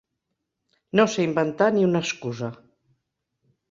No sé inventar ni una excusa.